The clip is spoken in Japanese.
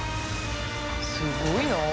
すごいなあ。